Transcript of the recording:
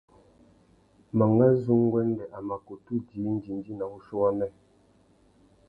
Mangazu nguêndê a mà kutu djï indjindjï na wuchiô wamê.